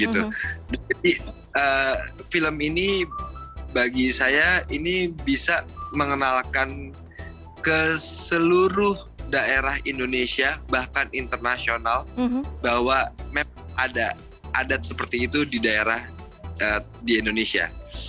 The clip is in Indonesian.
jadi film ini bagi saya ini bisa mengenalkan ke seluruh daerah indonesia bahkan internasional bahwa memang ada adat seperti itu di daerah di indonesia